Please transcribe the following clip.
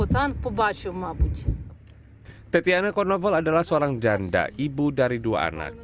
tetiana cornoval adalah seorang janda ibu dari dua anak